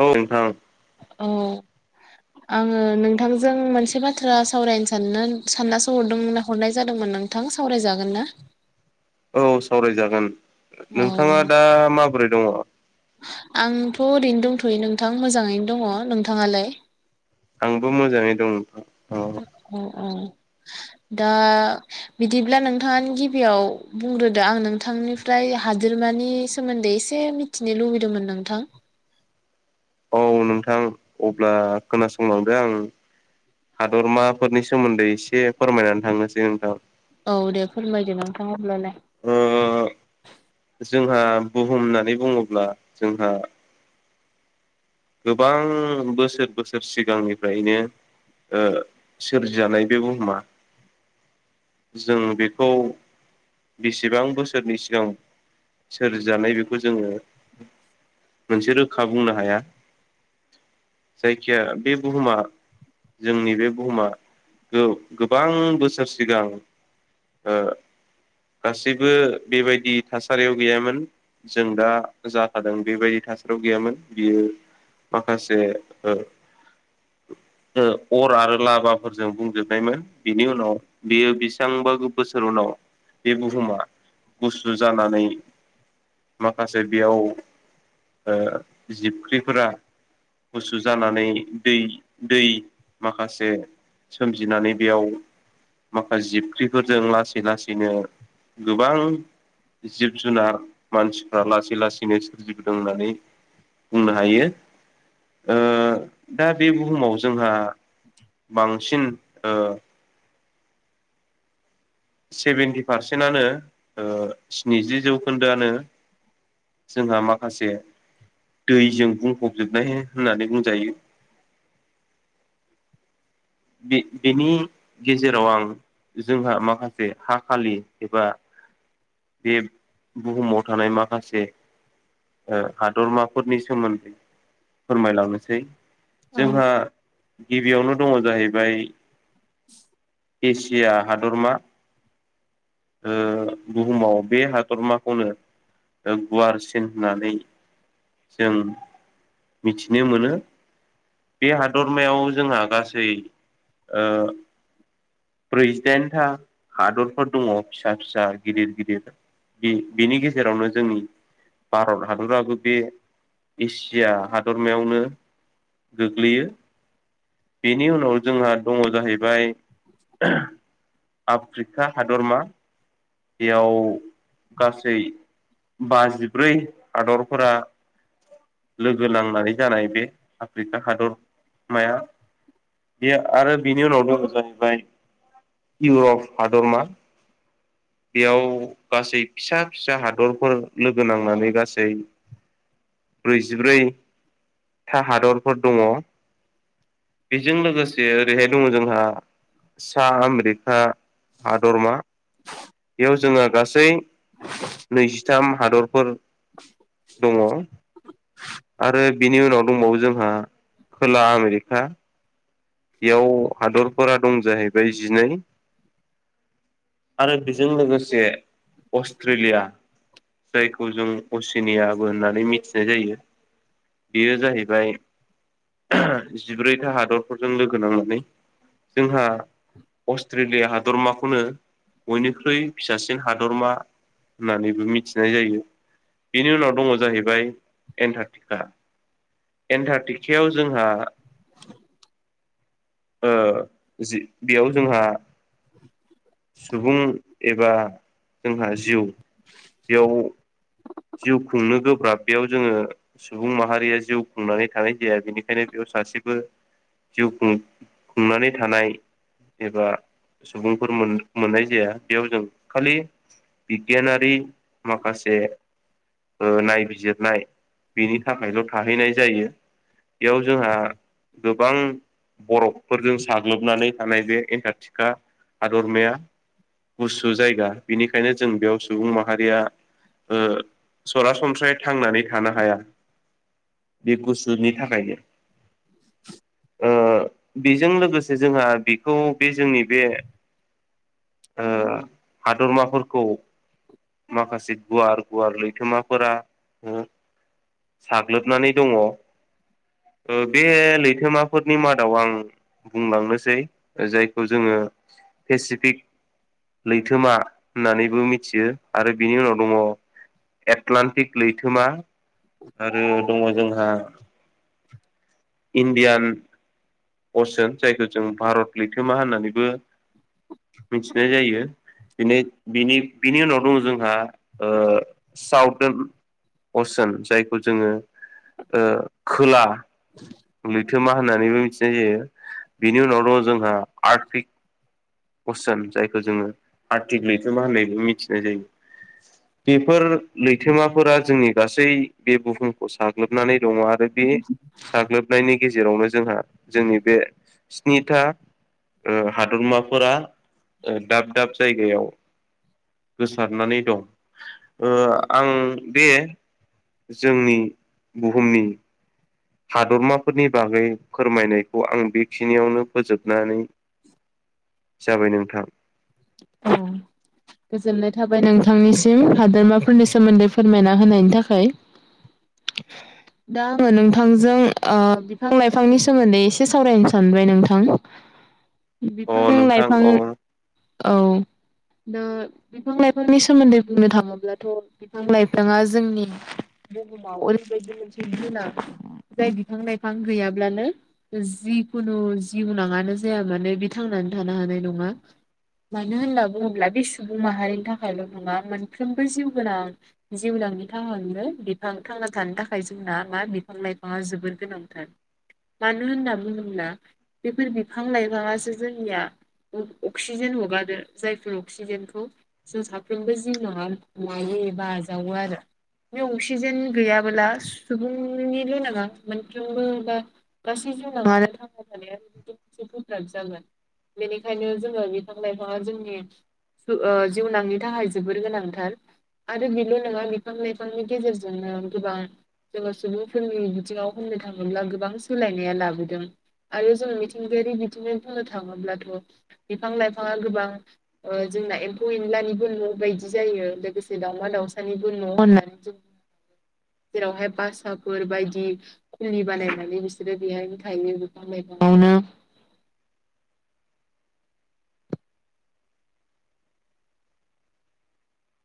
औ नोंथां। औ। आङो नोंथांजों मोनसे बाथ्रा सावरायनो साननो साननासो हरदोंमोन हरनाय जादोंमोन नों नोंथां सावरायजागोन ना औ सावरायजागोन नोंथाङा औ दा माबोरै दङ आंथ' ओरैनो दंथ'यो नोंथां मोजाङैनो दङ नोंथाङालाय आंबो मोजाङै दं नोंथां। औ औ दा। बिदिब्ला नोंथाङानो गिबियाव बुंग्रोदो आं नोंथांनिफ्राय हादोरमानि सोमोन्दै एसे मिथिनो लुबैदोंमोन नोंथां औ नोंथां अब्ला खोनासंलांदो आं हादरमाफोरनि सोमोन्दै एसे फोरमायनानै थांनोसै नोंथां औ दे फोरमायदो नोंथाङा हब्लालाय जोंहा बुहुम होननानै बुङोब्ला जोंहा गोबां बोसोर बोसोर सिगांनिफ्रायनो सोरजिजानाय बे बुहुमा जों बेखौ बेसेबां बोसोरनि सिगां सोरजिजानाय बेखौ जोङो मोनसे रोखा बुंनो हाया जायखिया बे बुहुमा जोंनि बे बुहुमा गोबां बोसोर सिगां गासैबो बेबायदि थासारियाव गैयामोन जों दा जाखादों बेबायदि थासारियाव गैयामोन बियो माखासे अर आरो लाभाफोरजों बुंजोबनायमोन बिनि उनाव बेयो बेसेबांबा बोसोर उनाव बे बुहुमा गुसु जानानै माखासे बेयाव जिबख्रिफोरा गुसु जानानै दै दै माखासे सोमजिनानै बेयाव माखासे जिबख्रिफोरजों लासै लासैनो गोबां जिब जुनार मानसिफ्रा लासै लासैनो सोरजिबोदों होननानै बुंनो हायो दा बे बुहुमाव जोंहा बांसिन सेभेन्टि पारसेन्टनो ओ स्निजि जौखोन्दोआनो जोंहा माखासे दैजों बुंफबजोबनाय होननानै बुंजायो बेनि गेजेराव आं जोंहा माखासे हा खालि एबा बे बुहुमाव थानाय माखासे ओ हादरमाफोरनि सोमोन्दै फोरमायलांनोसै औ जोंहा गिबियावनो दङ जाहैबाय [inaudible] एसिया हादरमा बुहुमाव बे हादरमाखौनो गुवारसिन होननानै जों मिथिनो मोनो बे हादरमायाव जोंहा गासै ब्रैजिदाइनथा हादरफोर दङ फिसा फिसा गिदिर गिदिर बे बिनि गेजेरावनो जोंनि भारत हादराबो बे एसिया हादरमायावनो गोग्लैयो बेनि उनाव जोंहा दङ जाहैबाय आफ्रिका हादरमा बेयाव गासै बाजिब्रै हादरफोरा लोगो नांनानै जानाय बे आफ्रिका हादरमाया बे आरो बिनि उनाव दङ जाहैबाय इउरप हादरमा बेयाव गासै फिसा फिसा हादरफोर लोगो नांनानै गासै ब्रैजिब्रै था हादरफोर दङ बेजों लोगोसे ओरैहाय दङ जोंहा सा आमेरिका हादरमा बेयाव जोङा गासै नैजिथाम हादरफोर [unintelligible] दङ आरो बिनि उनाव दंबावो जोंहा खोला आमेरिका बेयाव हादरफोरा दं जाहैबाय जिनै आरो बेजों लोगोसे अस्ट्रेलिया जायखौ जों असिनियाबो होननानै मिथिनाय जायो बेयो जाहैबाय जिब्रैथा हादरफोरजों लोगो नांनानै जोंहा अस्ट्रेलिया हादरमाखौनो बयनिख्रुइ फिसासिन हादरमा होननानैबो मिथिनाय जायो बेनि उनाव दंङ जाहैबाय एन्टारटिका एन्टारटिकायाव जोंहा ओ जि बेयाव जोंहा सुबुं एबा जोंहा जिउ बेयाव जिउ खुंनो गोब्राब बेयाव जोंङो सुबुं माहारिया जिउ खुंनानै थानाय जाया बेनिखायनो बेयाव सासेबो जिउ खुं खुंनानै थानाय एबा सुबुंफोर मोननाय जाया बेयाव जों खालि बिगियानारि माखासे नायबिजिरनाय बेनि थाखायल' थाहैनाय जायो बेयाव जोंहा गोबां बरफफोरजों साग्लोबनानै थानाय बे एन्टारटिका हादरमाया गुसु जायगा बेनिखायनो जों बेयाव सुबुं माहारिया सरासनस्रायै थांनानै थानो हाया बे गुसुनि थाखायनो ओ बेजों लोगोसे जोंहा बेखौ बे जोंनि बे हादरमाफोरखौ माखासे गुवार गुवार लैथोमाफोरा साग्लोबनानै दंङ बे लैथोमाफोरनि मादाव आं बुंलांनोसै जायखौ जोंङो पेसिफिक लैथोमा होननानैबो मिथियो आरो बिनि उनाव दंङ एटलान्टिक लैथोमा आरो दंङ जोंहा [inaudible] इण्डियान असोन जायखौ जों भारत लैखोमा होननानैबो मिथिनाय जायो बिनि बिनि उनाव दंङ जोंहा साउदन असोन जायखौ जोंङो खोला [inaudible] लैथोमा होननानैबो मिथिनाय जायो बिनि उनाव दंङ जोंहा आर्टिक असेन जायखौ जोंङो आर्टिक लैथोमा होननायबो मिथिनाय जायो बेफोर लैथोमाफोरा जोंनि गासै बे बुहुमखौ साग्लोबनानै दंङ आरो बे साग्लोब नि गेजेरावनो जोंहा जोंनि बे स्निथा हादरमा फोरा दाब दाब जायगायाव गोसारनानै दं आं बे जोंनि बुहुमनि हादरमाफोरनि बागै फोरमायनायखौ आं बेखिनियावनो फोजोबनानै जाबाय नोंथां। अ गोजोननाय थाबाय नोंथांनिसिम हादोरमाफोरनि सोमोन्दै फोरमायना होनायनि थाखाय [inaudible] दा आंङो नोंथांजों बिफां लाइफांनि सोमोन्दै एसे सावरायनो सानबाय नोंथां। अ बिफां नोंथां लाइफां अ औ दा बिफां लाइफांनि सोमोन्दै बुंनो थाङोब्लाथ' बिफां लाइफांङा जोंनि ओरैबायदि मोनसे जिब- जुनार जाय बिफां लाइफां गैयाब्लानो जिखुनु जिउनांङानो जाया मानो बे थांनानै थानो हानाय नंङा। मानो होनना बुंङोब्ला बे सुबुं माहारिनि थाखायल' नंङा मोनफ्रोमबो जिउ गोनां जिउ लांनि थाखायावनो बिफां थांना थानो थाखाय जोंना मा बिफां लाइफांङा जोबोर गोनांथार। मानो होनना बुङोब्ला बेफोर बिफां लाइफाङासो जोंनिया अक्सिजेन हगार रो जायफोर अक्सिजेनखौ जों साफ्रोमबो जिउ [unintelligible] लायो एबा आजावो आरो बे अक्सिजेन गैयाबोला सुबुंनिल' नङा मोनफ्रोमबो बा गासैबो नङा आरो थांना थानाया [inaudible] [inaudible] गोब्राब जागोन बेनिखायनो जोङो बिफां -लाइफाङा जोंनि ओ जिउनांनि थाखाय जोबोर गोनांथार। आरो बेल' नङा बिफां लाइफांनि गेजेरजोंनो गोबां जोङो सुबुंफोरनि बिथिङाव होननो थाङोब्ला गोबां सोलायनाया लाबोदों। आरो जों मिथिंगायारि बिथिङै बुंनो थाङोब्लाथ' बिफां- लाइफाङा गोबां ओ जोंना एम्फौ एनलानिबो न' बायदि जायो लोगोसे दाउमा दाउसानिबो न' होननानै जों जेरावहाय बासाफोर बायदि फुलि बानायनानै बिसोरो बेहायनो थायो बिफां -लाइफाङावनो